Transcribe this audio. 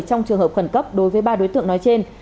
trong trường hợp khẩn cấp đối với ba đối tượng nói trên